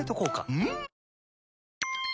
うん！